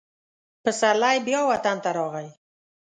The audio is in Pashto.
پسرلی بیا وطن ته راغی.